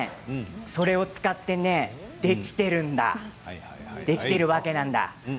それを使ってできているわけなんだ。